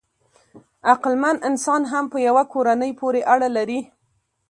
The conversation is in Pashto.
عقلمن انسان هم په یوه کورنۍ پورې اړه لري.